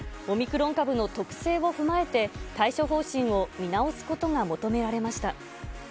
オミクロン株の特性を踏まえて、対処方針を見直すことが求められました。